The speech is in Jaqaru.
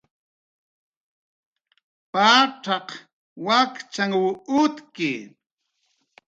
Pacxaq wakchanhw utki